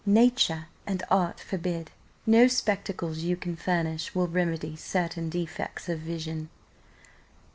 Nature and art forbid no spectacles you can furnish will remedy certain defects of vision.